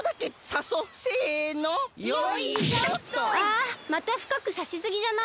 あまたふかくさしすぎじゃない？